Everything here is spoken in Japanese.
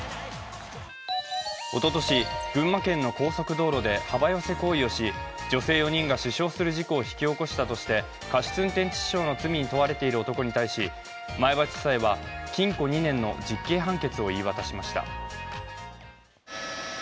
おととし、群馬県の高速道路で幅寄せ行為をし女性４人が死傷する事故を引き起こしたとして過失運転致死傷の罪に問われている男に対し前橋地裁は禁錮２年の実刑判決を言い渡しました。